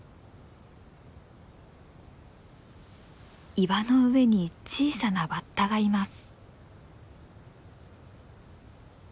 岩の上に小さなバッタがいます。